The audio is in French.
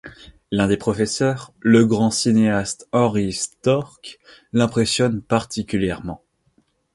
L’un des professeurs, le grand cinéaste Henri Storck, l’impressionne particulièrement.